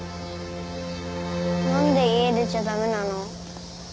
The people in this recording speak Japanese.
なんで家出ちゃ駄目なの？